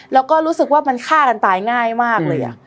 แล้วก็รู้สึกว่ามันฆ่ากันตายง่ายมากเลย